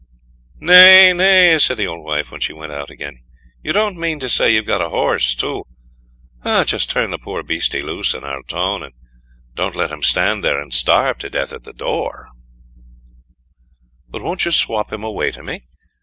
"Nay, nay," said the old wife when she went out again, "you don't mean to say you've got a horse too; just turn the poor beastie loose in our 'toun,' and don't let him stand there and starve to death at the door." Then she ran on: "But won't you swop him away to me?